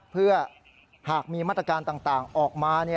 เพื่อหากมีมาตรการต่างออกมา